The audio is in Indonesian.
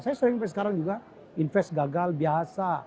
saya sering sampai sekarang juga invest gagal biasa